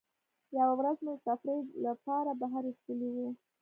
یوه ورځ مو د تفریح له پاره بهر ایستلي وو.